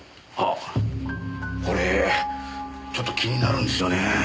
ああこれちょっと気になるんですよねえ。